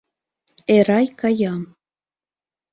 Эрай кая.